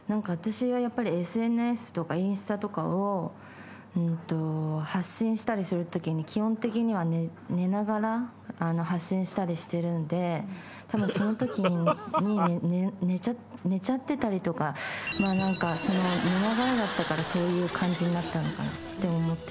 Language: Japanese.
私がＳＮＳとかインスタとかを発信したりするときに基本的には寝ながら発信したりしてるんでたぶんそのときに寝ちゃってたりとか寝ながらだったからそういう感じになったのかなって思ってます。